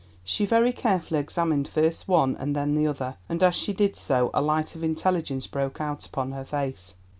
She very carefully examined first one and then the other, and as she did so a light of intelligence broke out upon her face.